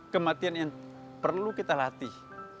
kematian yang perlu kita latih